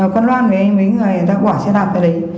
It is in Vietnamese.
con loan với mấy người người ta bỏ xe đạp ra đấy